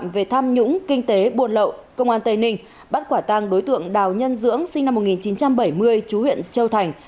tội phạm về tham nhũng kinh tế buồn lậu công an tây ninh bắt quả tăng đối tượng đào nhân dưỡng sinh năm một nghìn chín trăm bảy mươi chú huyện châu thành